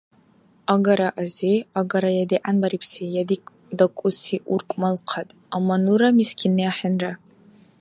Агара, ази, агара я дигӀянбарибси, я дакӀуси, уркӀмалхъад, амма нура мискинни ахӀенра.